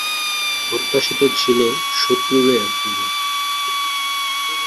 প্রত্যাশিত ছিল শত্রুর এ আক্রমণ।